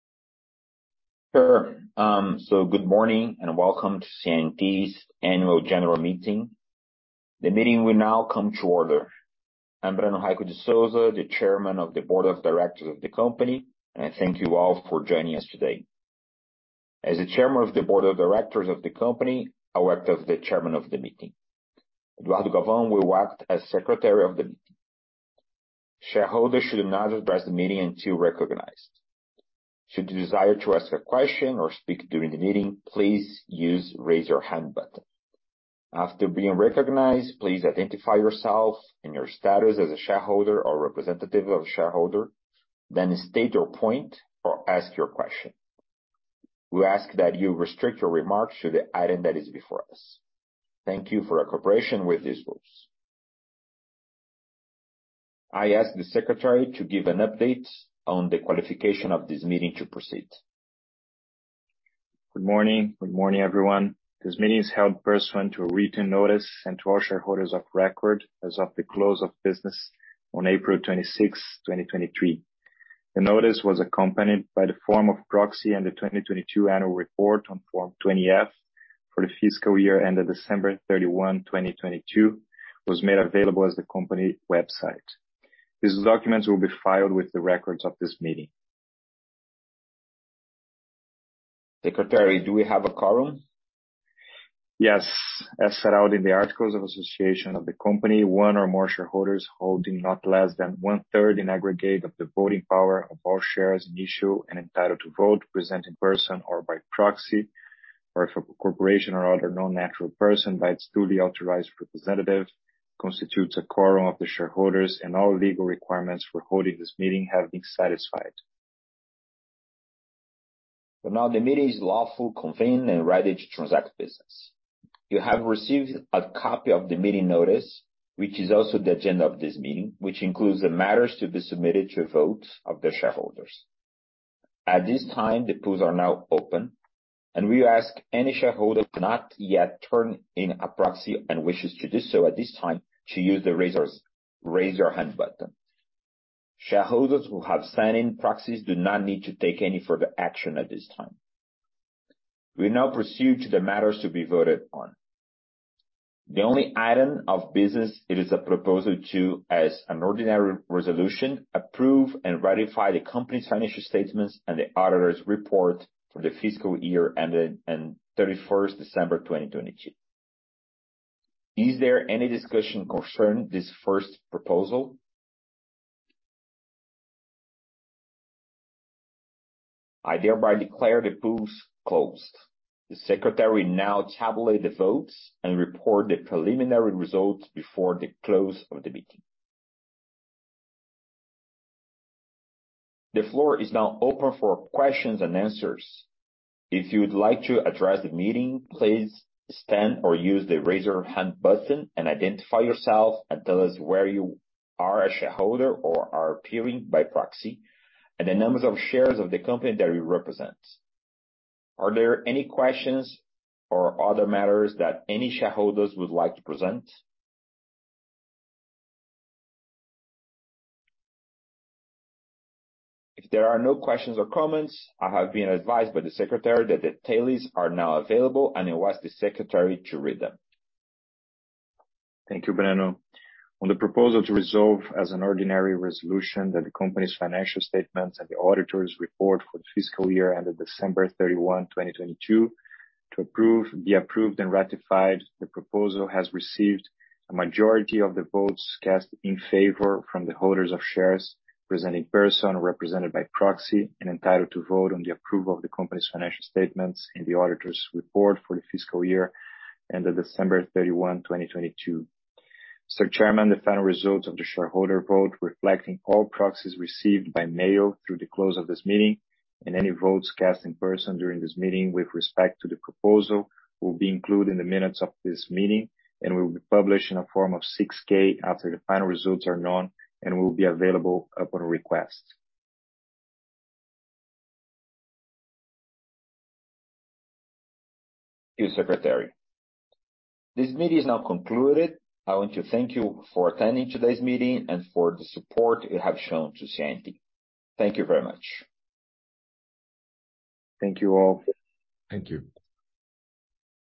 Sure. Good morning, welcome to CI&T's Annual General Meeting. The meeting will now come to order. I'm Brenno Raiko de Souza, the Chairman of the Board of Directors of the company. I thank you all for joining us today. As the Chairman of the Board of Directors of the company, I'll act as the Chairman of the Meeting. Eduardo Galvão will act as Secretary of the Meeting. Shareholders should not address the meeting until recognized. Should you desire to ask a question or speak during the meeting, please use Raise Your Hand button. After being recognized, please identify yourself and your status as a shareholder or representative of shareholder, state your point or ask your question. We ask that you restrict your remarks to the item that is before us. Thank you for your cooperation with these rules. I ask the secretary to give an update on the qualification of this meeting to proceed. Good morning. Good morning, everyone. This meeting is held pursuant to a written notice, and to all shareholders of record as of the close of business on April 26, 2023. The notice was accompanied by the form of proxy and the 2022 annual report on Form 20-F for the fiscal year ended December 31, 2022, was made available as the company website. These documents will be filed with the records of this meeting. Secretary, do we have a quorum? Yes. As set out in the Articles of Association of the company, one or more shareholders holding not less than one-third in aggregate of the voting power of all shares, in issue and entitled to vote, present in person or by proxy, or if a corporation or other non-natural person by its duly authorized representative, constitutes a quorum of the shareholders. All legal requirements for holding this meeting have been satisfied. Now the meeting is lawfully convened and ready to transact business. You have received a copy of the meeting notice, which is also the agenda of this meeting, which includes the matters to be submitted to a vote of the shareholders. At this time, the polls are now open, and we ask any shareholder who has not yet turned in a proxy and wishes to do so at this time, to use the Raise Your Hand button. Shareholders who have signed in proxies do not need to take any further action at this time. We now proceed to the matters to be voted on. The only item of business is a proposal to, as an ordinary resolution, approve and ratify the company's financial statements and the auditor's report for the fiscal year ended in 31st December 2022. Is there any discussion concerning this first proposal? I thereby declare the polls closed. The secretary will now tabulate the votes and report the preliminary results before the close of the meeting. The floor is now open for questions and answers. If you would like to address the meeting, please stand or use the Raise Your Hand button and identify yourself, and tell us whether you are a shareholder or are appearing by proxy, and the numbers of shares of the company that you represent. Are there any questions or other matters that any shareholders would like to present? If there are no questions or comments, I have been advised by the secretary that the tallies are now available, and I ask the secretary to read them. Thank you, Brenno. On the proposal to resolve as an ordinary resolution that the company's financial statements and the auditor's report for the fiscal year ended December 31, 2022, be approved and ratified, the proposal has received a majority of the votes cast in favor from the holders of shares present in person or represented by proxy and entitled to vote on the approval of the company's financial statements and the auditor's report for the fiscal year ended December 31, 2022. Chairman, the final results of the shareholder vote, reflecting all proxies received by mail through the close of this meeting and any votes cast in person during this meeting with respect to the proposal, will be included in the minutes of this meeting and will be published in a form of Form 6-K after the final results are known and will be available upon request. Thank you, Secretary. This meeting is now concluded. I want to thank you for attending today's meeting and for the support you have shown to CI&T. Thank you very much. Thank you, all. Thank you.